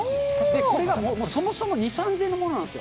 これがそもそも、２、３０００円のものなんですよ。